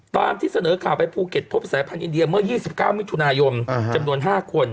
ตามที่เสนอข่าวไปภูเก็ตพบสายพันธ์อินเดียเมื่อ๒๙มิถุนายนจำนวน๕คน